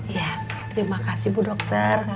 terima kasih bu dokter